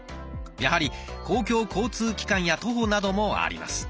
やはり公共交通機関や徒歩などもあります。